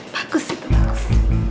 bagus itu bagus